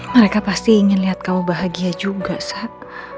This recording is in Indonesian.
mereka pasti ingin lihat kamu bahagia juga sak